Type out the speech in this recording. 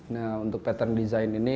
nah untuk pattern design ini